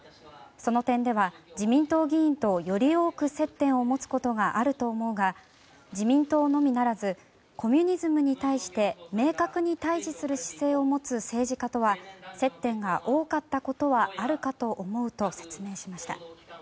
その点では、自民党議員とより多く接点を持つことがあると思うが自民党のみならずコミュニズムに対して明確に対峙する姿勢を持つ政治家とは接点が多かったことはあるかと思うと説明しました。